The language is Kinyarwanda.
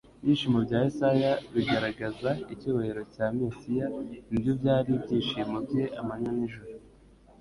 Ibyishimo bya Yesaya bigaragaza icyubahiro cya Mesiya ni byo byari ibyishimo bye amanywa n'ijoro,